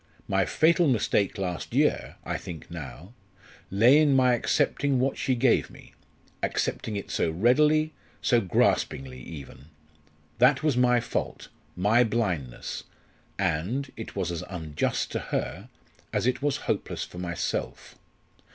My fatal mistake last year, I think now, lay in my accepting what she gave me accepting it so readily, so graspingly even. That was my fault, my blindness, and it was as unjust to her as it was hopeless for myself.